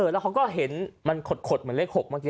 แล้วเขาก็เห็นมันขดเหมือนเลข๖เมื่อกี